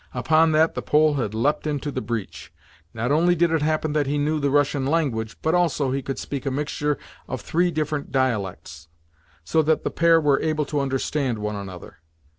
Upon that the Pole had leapt into the breach. Not only did it happen that he knew the Russian language, but also he could speak a mixture of three different dialects, so that the pair were able to understand one another.